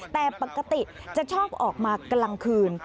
แต่ปกติจะชอบออกมากลางคืน